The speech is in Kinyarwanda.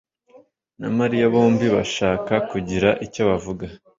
na Mariya bombi bashaka kugira icyo bavuga.